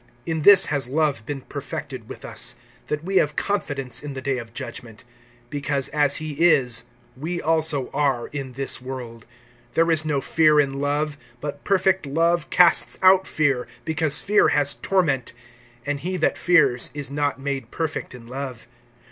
(17)In this has love been perfected with us[4:17], that we have confidence in the day of judgment; because as he is, we also are in this world. (18)There is no fear in love; but perfect love casts out fear, because fear has torment[4:18]; and he that fears is not made perfect in love.